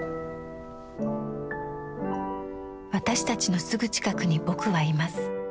私たちのすぐ近くに「ぼく」はいます。